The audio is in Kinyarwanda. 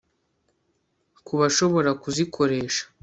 Ku bashobora kuzikoresha